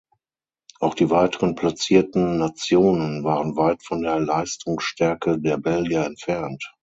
Auch die weiteren platzierten Nationen waren weit von der Leistungsstärke der Belgier entfernt.